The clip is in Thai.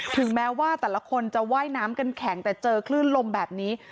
ถึงแม้ว่าแต่ละคนจะว่ายน้ำกันแข็งแต่เจอคลื่นลมแบบนี้